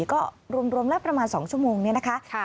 ก็รวมแล้วประมาณ๒ชั่วโมงนี้นะคะ